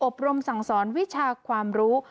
รมสั่งสอนวิชาความรู้